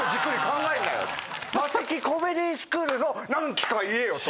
マセキコメディスクールの何期か言えよと。